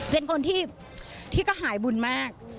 เป็นคนที่ก็หายบุญมาก